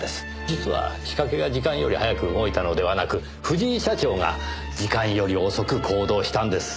実は仕掛けが時間より早く動いたのではなく藤井社長が時間より遅く行動したんです。